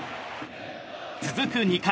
続く２回。